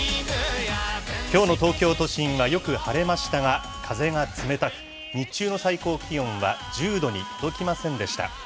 きょうの東京都心はよく晴れましたが、風が冷たく、日中の最高気温は１０度に届きませんでした。